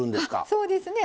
そうですね